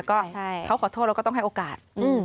ก็เขาขอโทษเราก็ต้องให้โอกาส